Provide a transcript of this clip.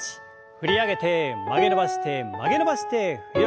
振り上げて曲げ伸ばして曲げ伸ばして振り下ろす。